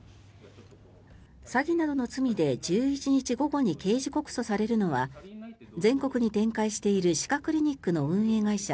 詐欺などの罪で１１日午後に刑事告訴されるのは全国に展開している歯科クリニックの運営会社